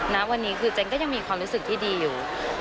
ณวันนี้คือเจนก็ยังมีความรู้สึกที่ดีอยู่